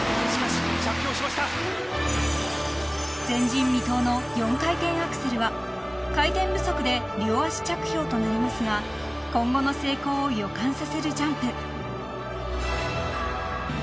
［前人未到の４回転アクセルは回転不足で両足着氷となりますが今後の成功を予感させるジャンプ］